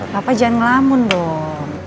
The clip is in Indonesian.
ma pak jangan ngelamun dong